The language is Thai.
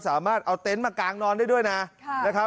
สามารถเอาเต็นต์มากางนอนได้ด้วยนะครับ